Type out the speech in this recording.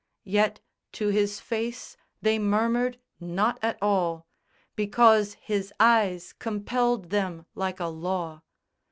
Yet to his face they murmured not at all; Because his eyes compelled them like a law.